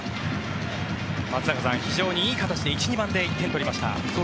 松坂さん、非常にいい形で１、２番で取りました。